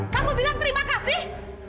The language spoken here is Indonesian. kamu bilang terima kasih